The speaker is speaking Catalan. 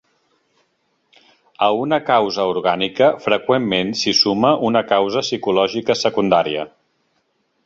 A una causa orgànica freqüentment s'hi suma una causa psicològica secundària.